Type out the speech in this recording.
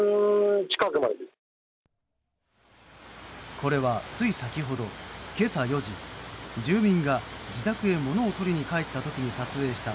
これはつい先ほど今朝４時住民が自宅へ物を取りに帰った時に撮影した。